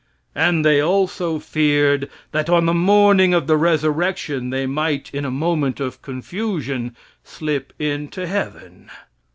And they also feared that on the morning of the resurrection they might, in a moment of confusion, slip into heaven.